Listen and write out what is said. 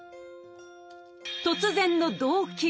突然の動悸。